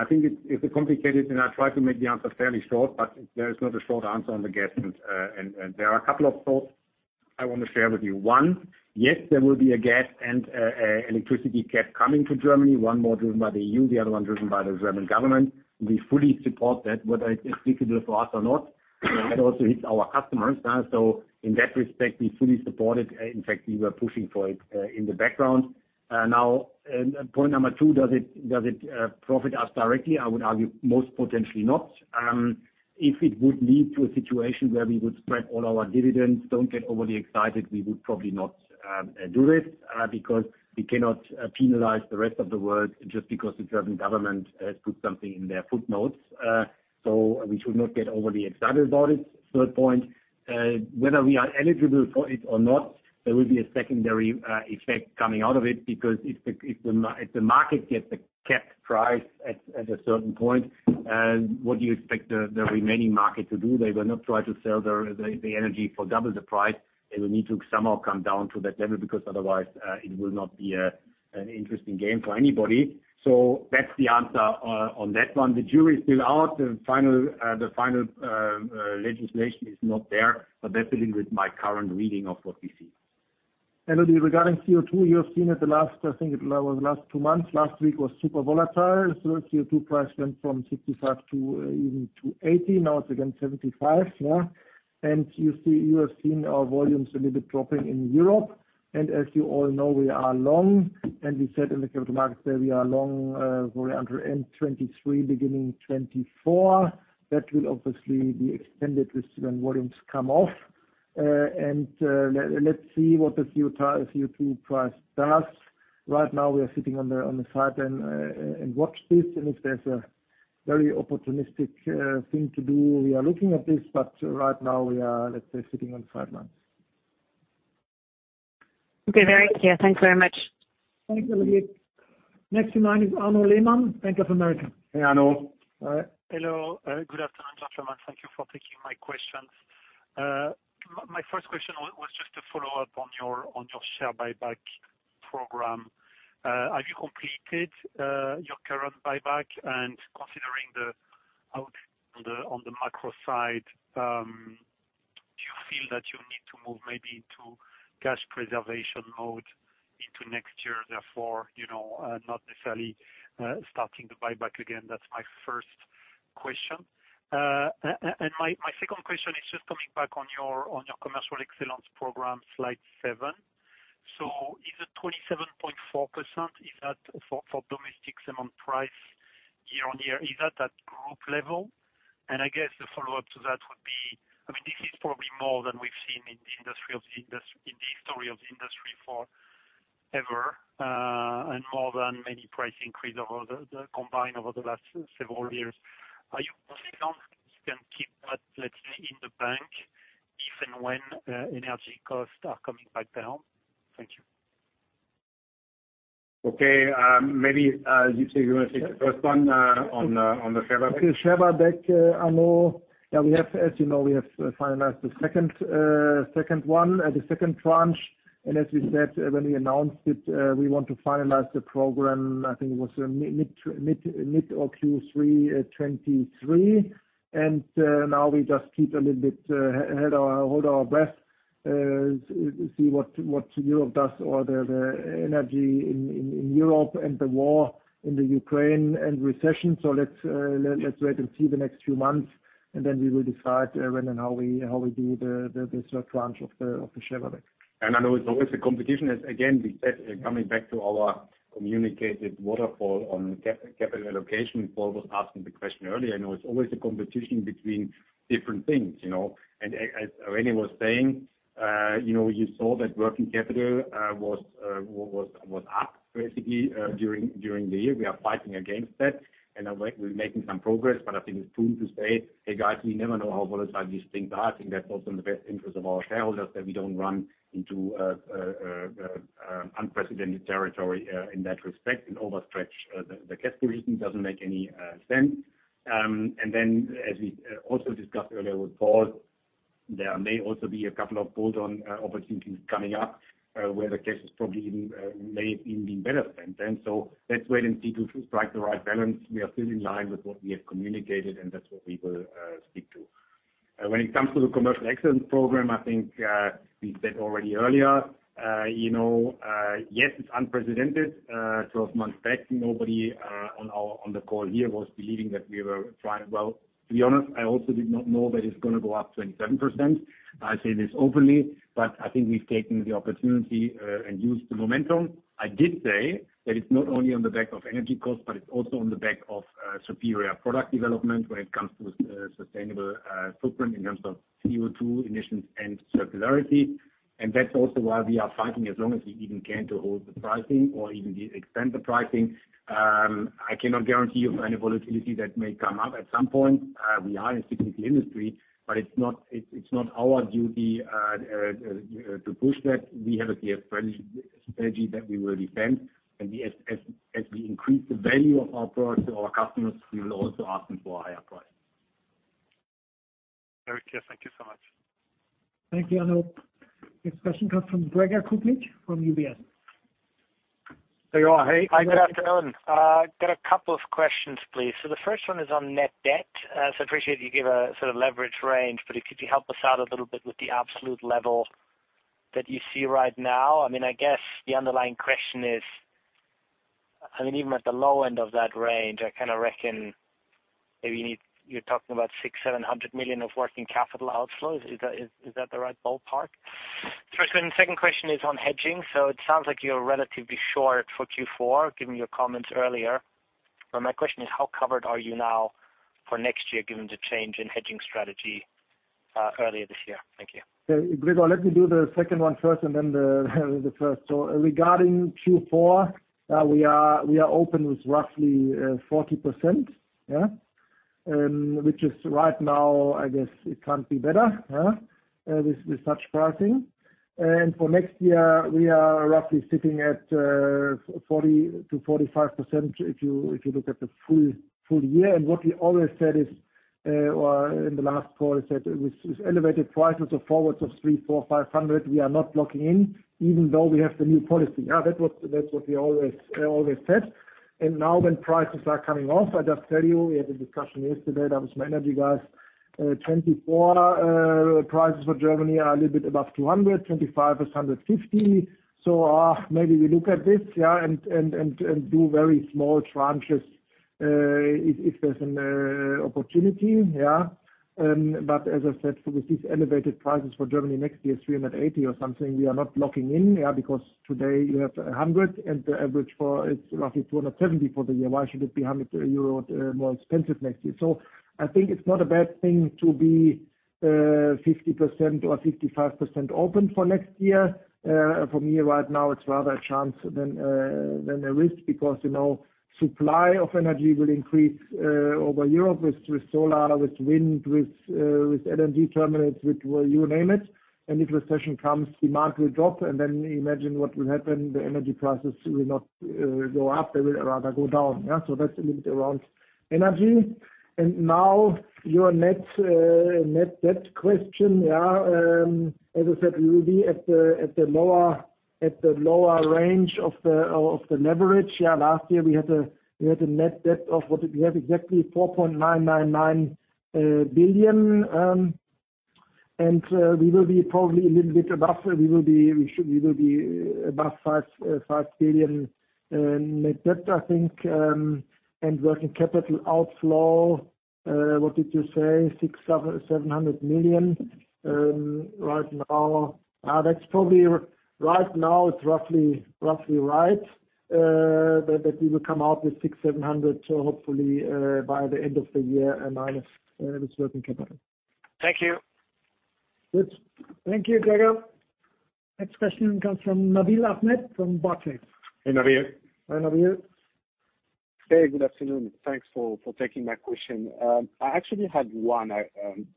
I think it's complicated, and I try to make the answer fairly short, but there is not a short answer on the gas. There are a couple of thoughts I wanna share with you. One, yes, there will be a gas and electricity cap coming to Germany. One more driven by the EU, the other one driven by the German government. We fully support that, whether it's applicable for us or not. It also hits our customers. In that respect, we fully support it. In fact, we were pushing for it in the background. Point number two, does it profit us directly? I would argue most potentially not. If it would lead to a situation where we would spread all our dividends, don't get overly excited, we would probably not do this, because we cannot penalize the rest of the world just because the German government has put something in their footnotes. We should not get overly excited about it. Third point, whether we are eligible for it or not, there will be a secondary effect coming out of it, because if the market gets a capped price at a certain point, what do you expect the remaining market to do? They will not try to sell their energy for double the price. They will need to somehow come down to that level because otherwise, it will not be an interesting game for anybody. That's the answer on that one. The jury is still out. The final legislation is not there, but that's dealing with my current reading of what we see. Elodie, regarding CO₂, you have seen it the last two months, I think. Last week was super volatile. CO₂ price went from 65 to even 80. Now it's again 75. You have seen our volumes a little bit dropping in Europe. As you all know, we are long. We said in the capital markets that we are long, probably until end 2023, beginning 2024. That will obviously be extended with certain volumes come off. Let's see what the CO₂ price does. Right now we are sitting on the side and watch this. If there's a very opportunistic thing to do, we are looking at this. Right now we are, let's say, sitting on the sidelines. Okay, very clear. Thanks very much. Thank you, Elodie Rall. Next in line is Arnaud Lehmann, Bank of America. Hey, Arnaud. All right. Hello. Good afternoon, gentlemen. Thank you for taking my questions. My first question was just a follow-up on your share buyback program. Have you completed your current buyback? Considering the outlook on the macro side, do you feel that you need to move maybe into cash preservation mode into next year, therefore, you know, not necessarily starting the buyback again? That's my first question. My second question is just coming back on your commercial excellence program, slide seven. So is it 27.4%? Is that for domestic cement price year-on-year? Is that at group level? I guess the follow-up to that would be, I mean, this is probably more than we've seen in the industry in the history of the industry forever, and more than many price increase over the combined over the last several years. Are you confident you can keep that, let's say, in the bank if and when energy costs are coming back down? Thank you. Okay. Maybe you say you wanna take the first one on the share buyback. The share buyback, Arnaud, we have, as you know, finalized the second tranche. As we said when we announced it, we want to finalize the program, I think it was mid or Q3 2023. Now we just keep a little bit hold our breath, see what Europe does or the energy in Europe and the war in Ukraine and recession. Let's wait and see the next few months, and then we will decide when and how we do the third tranche of the share buyback. I know it's always a competition. Again, we said, coming back to our communicated waterfall on capital allocation, Paul was asking the question earlier. I know it's always a competition between different things, you know? As René was saying, you know, you saw that working capital was up basically during the year. We are fighting against that, and we're making some progress. I think it's true to say, hey, guys, we never know how volatile these things are. I think that's also in the best interest of our shareholders, that we don't run into unprecedented territory in that respect and overstretch the cash position doesn't make any sense. As we also discussed earlier with Paul, there may also be a couple of bolt-on opportunities coming up, where the cash is probably even may even be better spent than. Let's wait and see to strike the right balance. We are still in line with what we have communicated, and that's what we will stick to. When it comes to the commercial excellence program, I think we said already earlier, you know, yes, it's unprecedented. 12 months back, nobody on the call here was believing that we were trying. Well, to be honest, I also did not know that it's gonna go up 27%. I say this openly, but I think we've taken the opportunity and used the momentum. I did say that it's not only on the back of energy costs, but it's also on the back of superior product development when it comes to sustainable footprint in terms of CO₂ emissions and circularity. That's also why we are fighting as long as we even can to hold the pricing or even to extend the pricing. I cannot guarantee you for any volatility that may come up at some point. We are in a cyclical industry, but it's not our duty to push that. We have a clear strategy that we will defend. As we increase the value of our products to our customers, we will also ask them for a higher price. Very clear. Thank you so much. Thank you, Arnaud. Next question comes from Gregor Kuglitsch from UBS. Gregor, hey. Hi, good afternoon. Got a couple of questions, please. The first one is on net debt. I appreciate you give a sort of leverage range, but could you help us out a little bit with the absolute level that you see right now? I mean, I guess the underlying question is, even at the low end of that range, I kinda reckon maybe you're talking about 600 million-700 million of working capital outflows. Is that the right ballpark? First one. Second question is on hedging. It sounds like you're relatively short for Q4, given your comments earlier. But my question is how covered are you now for next year given the change in hedging strategy earlier this year? Thank you. Gregor, let me do the second one first and then the first. Regarding Q4, we are open with roughly 40%, which is right now, I guess it can't be better with such pricing. For next year we are roughly sitting at 40%-45% if you look at the full year. What we always said is, or in the last call said with elevated prices of forwards of 300, 400, 500, we are not locking in even though we have the new policy. That's what we always said. Now when prices are coming off, I just tell you we had a discussion yesterday that was my energy guys. 2024 prices for Germany are a little bit above 200, 2025 is 150. Maybe we look at this and do very small tranches if there's an opportunity. But as I said, with these elevated prices for Germany next year is 380 or something, we are not locking in, because today you have 100 and the average for is roughly 270 for the year. Why should it be 100 euros more expensive next year? I think it's not a bad thing to be 50% or 55% open for next year. For me right now, it's rather a chance than a risk because, you know, supply of energy will increase over Europe with solar, with wind, with LNG terminals, which, well, you name it. If recession comes, demand will drop, and then imagine what will happen, the energy prices will not go up, they will rather go down. Yeah, that's a little bit around energy. Now your net debt question. Yeah, as I said, we will be at the lower range of the leverage. Yeah, last year we had a net debt of what did we have exactly, 4.999 billion. We will be probably a little bit above 5 billion net debt, I think. Working capital outflow, what did you say? 600-700 million right now. That's probably right. Right now, it's roughly right that we will come out with 600-700, so hopefully by the end of the year, a minus this working capital. Thank you. Good. Thank you, Gregor. Next question comes from Nabil Ahmed from Barclays. Hey, Nabil. Hi, Nabil. Hey, good afternoon. Thanks for taking my question. I actually had one. It's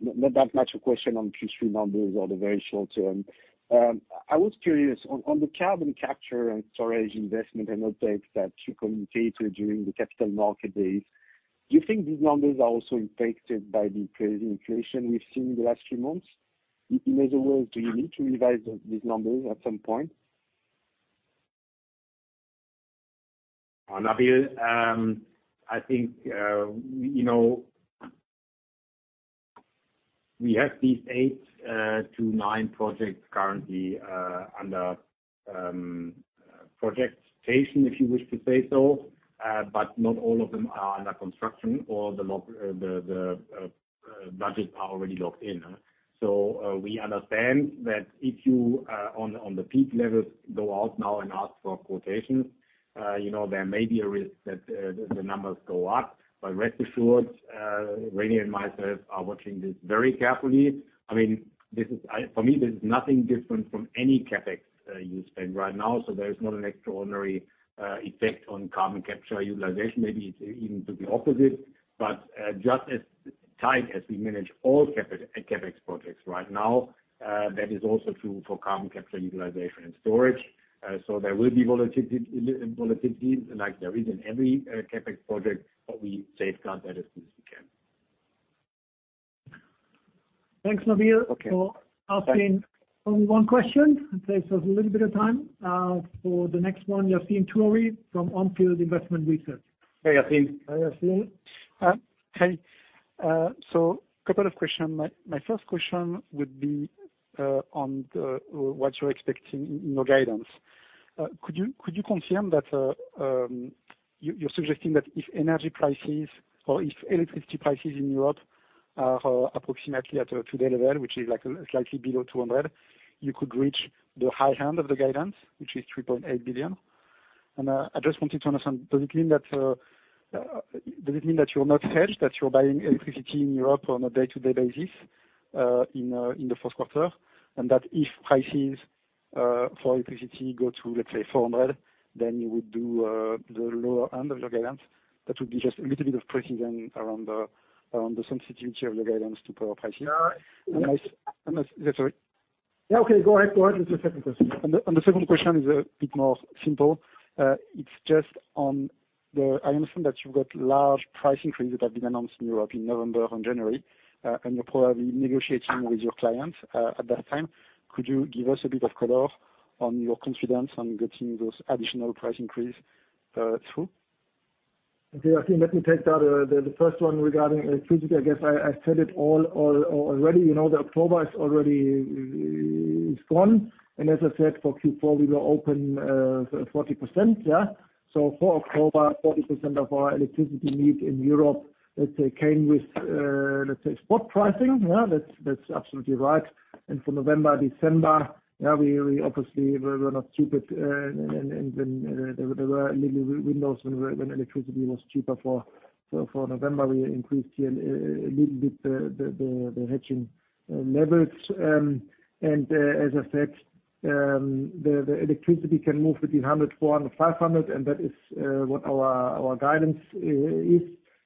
not that much a question on Q3 numbers or the very short term. I was curious on the carbon capture and storage investment and updates that you communicated during the capital market days. Do you think these numbers are also impacted by the crazy inflation we've seen in the last few months? In other words, do you need to revise these numbers at some point? Nabil, I think you know, we have these 8-9 projects currently under project sanction, if you wish to say so. Not all of them are under construction or the budget are already locked in. We understand that if you on the peak levels go out now and ask for quotations, you know, there may be a risk that the numbers go up. Rest assured, René and myself are watching this very carefully. I mean, this is for me, this is nothing different from any CapEx you spend right now, so there is not an extraordinary effect on carbon capture utilization. Maybe it's even to the opposite. just as tight as we manage all CapEx projects right now, that is also true for carbon capture utilization and storage. There will be volatility, like there is in every CapEx project, but we safeguard that as good as we can. Thanks, Nabil. Okay. for asking only one question. It saves us a little bit of time. For the next one, Yassine Touahri from On Field Investment Research. Hey, Yassine. Hi, Yassine. Hi. Couple of questions. My first question would be on what you're expecting in your guidance. Could you confirm that you're suggesting that if energy prices or electricity prices in Europe are approximately at today's level, which is like slightly below 200, you could reach the high end of the guidance, which is 3.8 billion. I just wanted to understand, does it mean that you're not hedged, that you're buying electricity in Europe on a day-to-day basis in the first quarter. That if prices for electricity go to, let's say, 400, then you would do the lower end of your guidance. That would be just a little bit of precision around the sensitivity of your guidance to power prices. Yeah. Last, I'm so sorry. Yeah, okay. Go ahead with your second question. The second question is a bit more simple. It's just, I understand that you've got large price increase that have been announced in Europe in November and January. And you're probably negotiating with your clients, at that time. Could you give us a bit of color on your confidence on getting those additional price increase through? Okay, Yassine, let me take that. The first one regarding electricity, I guess I said it all already. You know, October is already gone. As I said, for Q4, we were open 40%. For October, 40% of our electricity need in Europe, let's say, came with spot pricing. Yeah, that's absolutely right. For November, December, yeah, we obviously we're not stupid. There were little windows when electricity was cheaper. For November, we increased a little bit the hedging levels. As I said, the electricity can move between 100, 400, 500, and that is what our guidance is.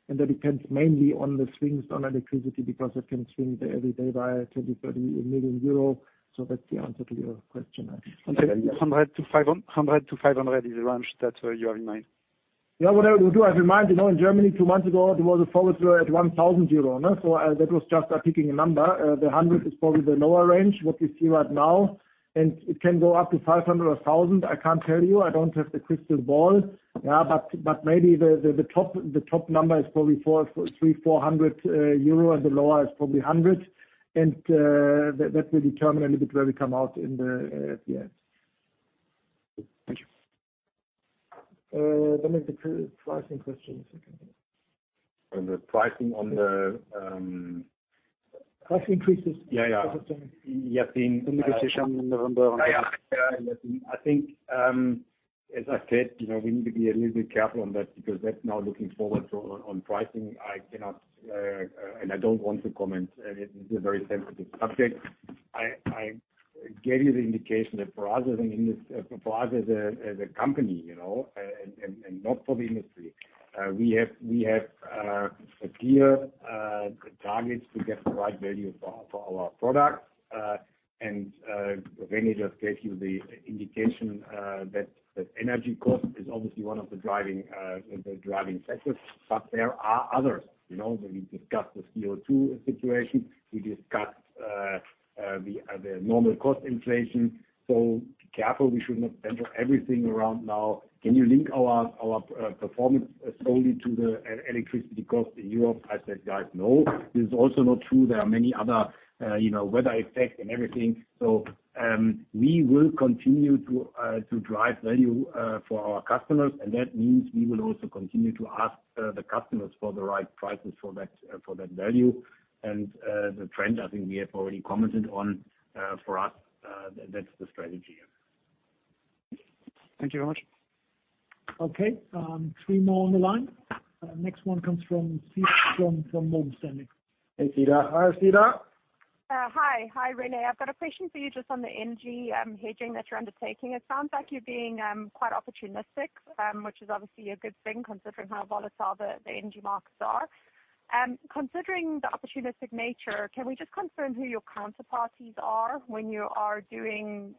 That depends mainly on the swings on electricity, because it can swing every day by 20 million-30 million euro. That's the answer to your question. 100-500 is the range that you have in mind. What I would do, I remember, you know, in Germany two months ago, there was a forward at 1,000 euro. That was just picking a number. The 100 is probably the lower range, what we see right now. It can go up to 500 or 1,000, I can't tell you, I don't have the crystal ball. But maybe the top number is probably 300-400 euro, and the lower is probably 100. That will determine a little bit where we come out at the end. Thank you. The pricing question. On the pricing on the Price increases? Yeah, yeah. in November. I think, as I said, you know, we need to be a little bit careful on that because that's now looking forward to on pricing. I cannot and I don't want to comment. It is a very sensitive subject. I gave you the indication that for us as a company, you know, and not for the industry, we have clear targets to get the right value for our products. René just gave you the indication that energy cost is obviously one of the driving factors. But there are others, you know, when we discussed the CO₂ situation, we discussed the normal cost inflation. Careful, we should not center everything around now. Can you link our performance solely to the electricity cost in Europe? I said, guys, no. It's also not true. There are many other, you know, weather effect and everything. So, we will continue to drive value for our customers, and that means we will also continue to ask the customers for the right prices for that value. The trend, I think we have already commented on, for us, that's the strategy, yeah. Thank you very much. Okay. Three more on the line. Next one comes from Cedar Ekblom, from Morgan Stanley. Hey, Cedar. Hi, Cedar Ekblom. Hi. Hi, René. I've got a question for you just on the energy hedging that you're undertaking. It sounds like you're being quite opportunistic, which is obviously a good thing, considering how volatile the energy markets are. Considering the opportunistic nature, can we just confirm who your counterparties are when you are doing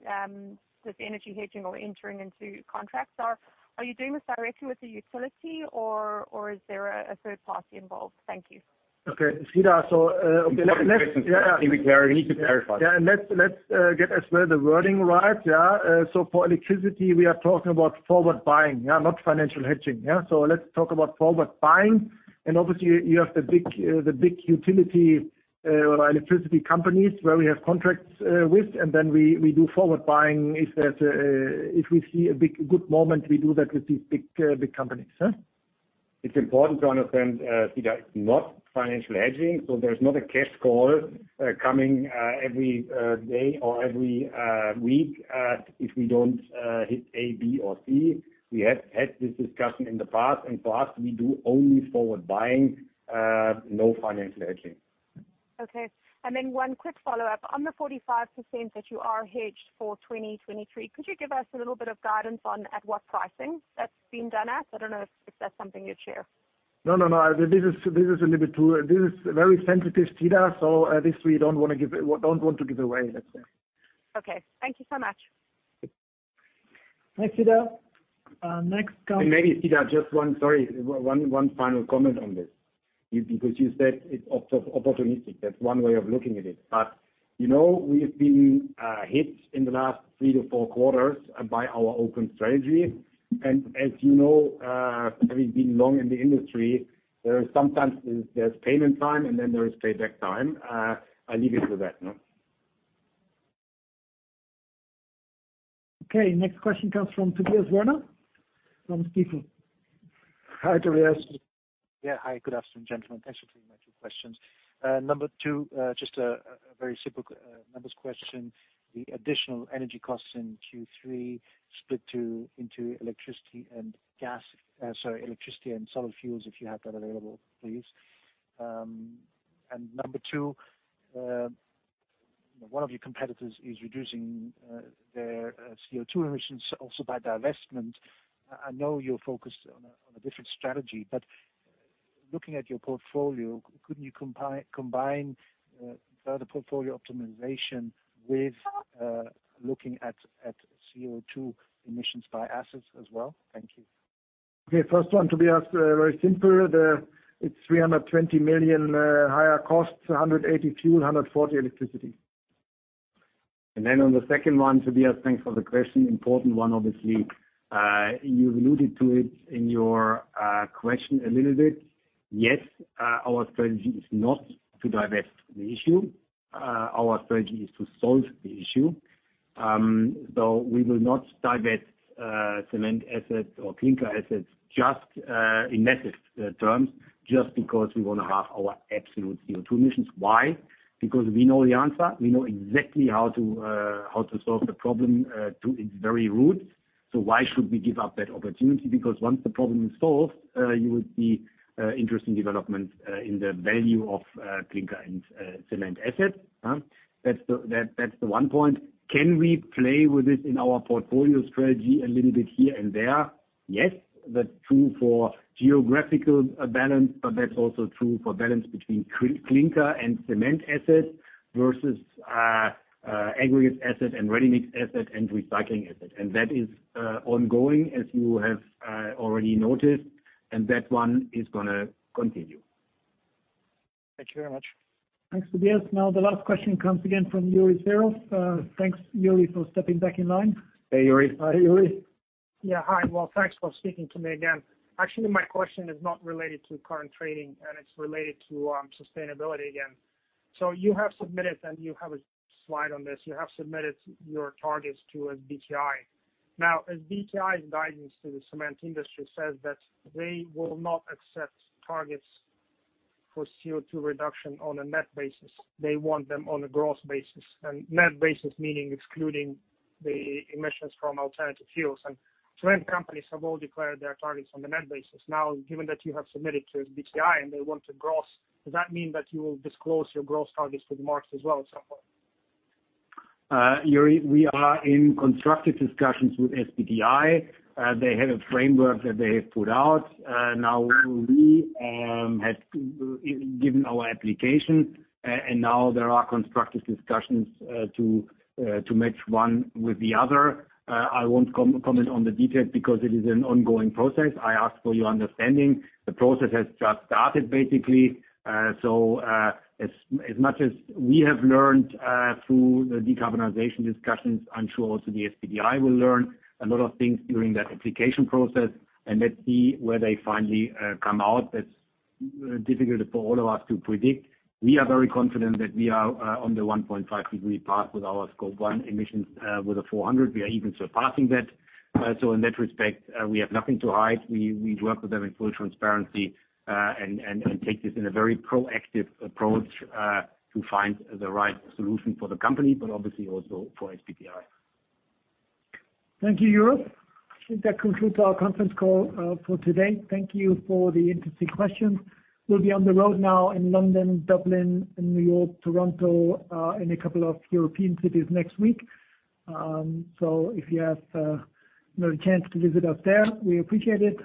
this energy hedging or entering into contracts? Are you doing this directly with the utility or is there a third party involved? Thank you. Okay, Cedar Ekblom. Okay. Let's Important question. Cedar Ekblom, we need to clarify. Let's get as well the wording right, yeah? For electricity, we are talking about forward buying, yeah, not financial hedging. Yeah. Let's talk about forward buying. Obviously, you have the big utility electricity companies where we have contracts with, and then we do forward buying. If we see a big, good moment, we do that with these big companies, huh? It's important to understand, Cedar, it's not financial hedging, so there's not a cash call coming every day or every week if we don't hit A, B, or C. We have had this discussion in the past, and for us, we do only forward buying, no financial hedging. Okay. One quick follow-up. On the 45% that you are hedged for 2023, could you give us a little bit of guidance on at what pricing that's been done at? I don't know if that's something you'd share. No, no. This is very sensitive, Cedar Ekblom, so this we don't want to give away, let's say. Okay. Thank you so much. Thanks, Cedar Ekblom. Maybe Cedar Ekblom, just one final comment on this. You, because you said it's opportunistic. That's one way of looking at it. You know, we have been hit in the last 3-4 quarters by our open strategy. As you know, having been long in the industry, there is sometimes payment time, and then there is payback time. I leave it with that, no? Okay. Next question comes from Tobias Werner from D.A. Hi, Tobias. Yeah. Hi. Good afternoon, gentlemen. Thanks for taking my two questions. Number two, just a very simple numbers question. The additional energy costs in Q3 split into electricity and gas, sorry, electricity and solid fuels, if you have that available, please. Number two, one of your competitors is reducing their CO₂ emissions also by divestment. I know you're focused on a different strategy, but looking at your portfolio, couldn't you combine further portfolio optimization with looking at CO₂ emissions by assets as well? Thank you. First one, Tobias, very simple. It's 320 million higher costs, 180 million fuel, 140 million electricity. On the second one, Tobias, thanks for the question. Important one, obviously. You've alluded to it in your question a little bit. Yes, our strategy is not to address the issue. Our strategy is to solve the issue. We will not divest cement assets or clinker assets just in massive terms just because we wanna halve our absolute CO₂ emissions. Why? Because we know the answer. We know exactly how to solve the problem to its very root. So why should we give up that opportunity? Because once the problem is solved, you will see interesting developments in the value of clinker and cement assets? That's the one point. Can we play with this in our portfolio strategy a little bit here and there? Yes, that's true for geographical balance, but that's also true for balance between clinker and cement assets versus aggregate asset and ready-mix asset and recycling asset. That is ongoing, as you have already noticed, and that one is gonna continue. Thank you very much. Thanks, Tobias. Now the last question comes again from Yuri Serov. Thanks, Yuri, for stepping back in line. Hey, Yuri. Hi, Yuri. Yeah. Hi. Well, thanks for speaking to me again. Actually, my question is not related to current trading, and it's related to sustainability again. You have submitted your targets to SBTi, and you have a slide on this. Now as SBTi's guidance to the cement industry says that they will not accept targets for CO₂ reduction on a net basis. They want them on a gross basis, and net basis meaning excluding the emissions from alternative fuels. Cement companies have all declared their targets on the net basis. Now, given that you have submitted to SBTi and they want a gross, does that mean that you will disclose your gross targets to the market as well at some point? Yuri, we are in constructive discussions with SBTi. They have a framework that they have put out. Now we have given our application, and now there are constructive discussions to match one with the other. I won't comment on the details because it is an ongoing process. I ask for your understanding. The process has just started basically. As much as we have learned through the decarbonization discussions, I'm sure also the SBTi will learn a lot of things during that application process, and let's see where they finally come out. That's difficult for all of us to predict. We are very confident that we are on the 1.5-degree path with our Scope 1 emissions, with the 400, we are even surpassing that. In that respect, we have nothing to hide. We work with them in full transparency, and take this in a very proactive approach to find the right solution for the company, but obviously also for SBTi. Thank you, Europe. I think that concludes our conference call for today. Thank you for the interesting questions. We'll be on the road now in London, Dublin, in New York, Toronto, and a couple of European cities next week. If you have, you know, a chance to visit us there, we appreciate it.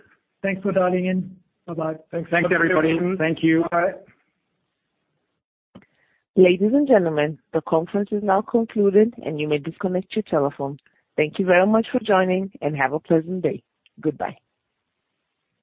Thanks for dialing in. Bye-bye. Thanks, everybody. Thank you. Bye. Ladies and gentlemen, the conference is now concluded, and you may disconnect your telephone. Thank you very much for joining, and have a pleasant day. Goodbye.